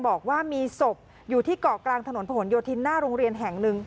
บอกว่ามีศพอยู่ที่เกาะกลางถนนผนโยธินหน้าโรงเรียนแห่งหนึ่ง